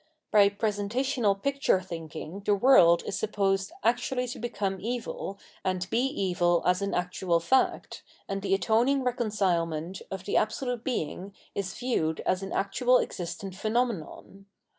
By presentational picture thinking the world is supposed actually to become evil and be evil as an actual fact, and the atoning reconcilement of the Absolute Being is viewed as an actual existent phenomenon.